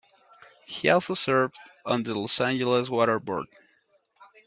He also served on the Los Angeles Water Board.